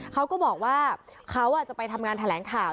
เขาก็บอกว่าเขาจะไปทำงานแถลงข่าว